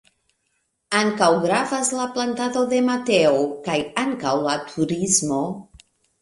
Ankaŭ gravas la plantado de mateo kaj ankaŭ la turismo.